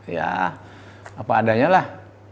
ya apa adanya lah